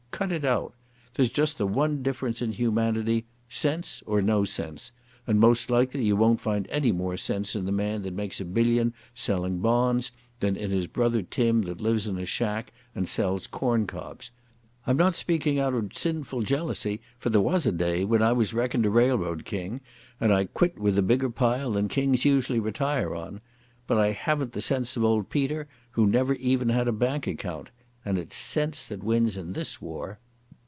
Cut it out. There's just the one difference in humanity—sense or no sense, and most likely you won't find any more sense in the man that makes a billion selling bonds than in his brother Tim that lives in a shack and sells corn cobs. I'm not speaking out of sinful jealousy, for there was a day when I was reckoned a railroad king, and I quit with a bigger pile than kings usually retire on. But I haven't the sense of old Peter, who never even had a bank account.... And it's sense that wins in this war."